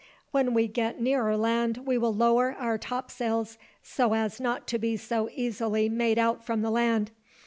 When we get nearer land we will lower our topsails, so as not to be so easily made out from the land.